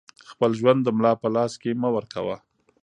خپل ژوند د ملا په لاس کې مه ورکوه